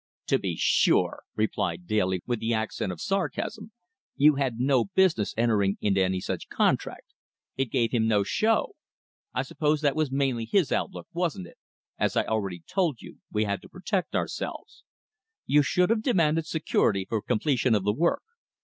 "To be sure," replied Daly with the accent of sarcasm. "You had no business entering into any such contract. It gave him no show." "I suppose that was mainly his lookout, wasn't it? And as I already told you, we had to protect ourselves." "You should have demanded security for the completion of the work.